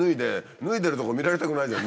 脱いでるとこ見られたくないじゃん。